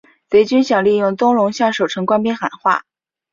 贼军想利用宗龙向守城官兵喊话。